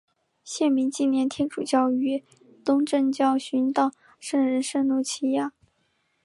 县名纪念天主教与东正教殉道圣人圣路济亚。